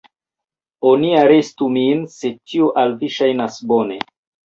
Oni arestu min se tio al vi ŝajnas bone.